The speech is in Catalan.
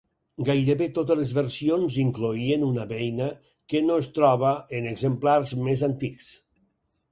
Gairebé totes les versions incloïen una beina que no es troba en exemplars més antics.